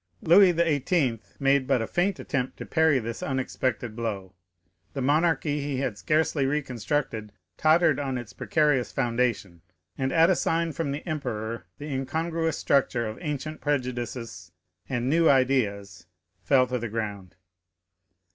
Louis XVIII. made but a faint attempt to parry this unexpected blow; the monarchy he had scarcely reconstructed tottered on its precarious foundation, and at a sign from the emperor the incongruous structure of ancient prejudices and new ideas fell to the ground.